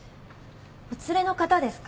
お連れの方ですか？